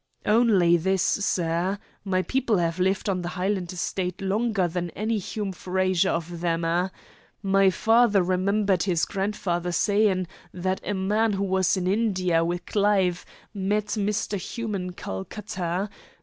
"Only this, sir. My people have lived on the Highland estate longer than any Hume Frazer of them a'. My father remembered his grandfather sayin' that a man who was in India wi' Clive met Mr. Hume in Calcutta.